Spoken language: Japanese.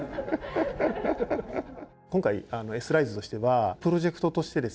今回Ｓライズとしてはプロジェクトとしてですね